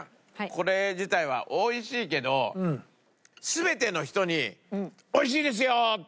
これ自体はおいしいけど全ての人に「おいしいですよ！」っていう感じではないね